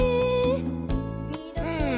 うん！